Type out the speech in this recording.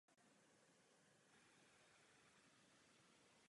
Po ukončení základní školy navštěvoval biskupské gymnázium v Trnavě.